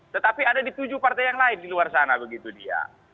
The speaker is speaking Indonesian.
tetapi ada di tujuh partai yang lain di luar sana begitu dia